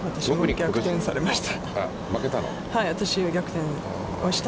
逆転されました。